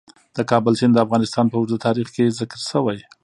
د کابل سیند د افغانستان په اوږده تاریخ کې ذکر شوی.